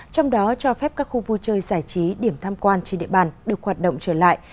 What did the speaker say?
trong đó cho phép các khu vui chơi giải trí điểm tham quan trên địa bàn được hoạt động trở lại